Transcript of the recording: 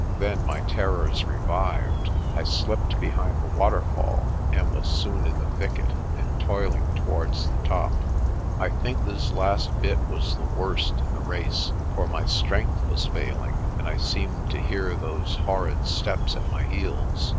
Then my terrors revived, I slipped behind the waterfall and was soon in the thicket, and toiling towards the top. I think this last bit was the worst in the race, for my strength was failing, and I seemed to hear those horrid steps at my heels.